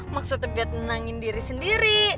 maksudnya biar tenangin diri sendiri